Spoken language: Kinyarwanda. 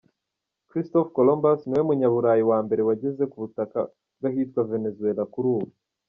Christophe Columbus, niwe munyaburayi wa mbere wageze ku butaka bw’ahitwa Venezuela kuri ubu.